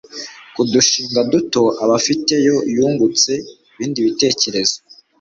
ku dushinga duto abafitiye yungutse ibindi bitekerezo